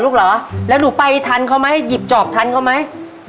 เกี่ยวกับฉันก็ไหม